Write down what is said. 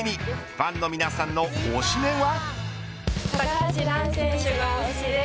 ファンの皆さんの推しメンは。